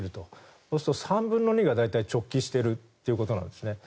そうすると３分の２が大体直帰しているということなんですね。